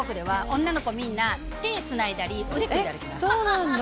えっそうなんだ。